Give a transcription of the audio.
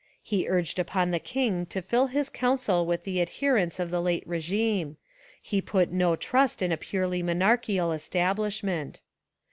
He urged upon the king to fill his council with the adher ents of the late regime: he put no trust in a purely monarchical establishment.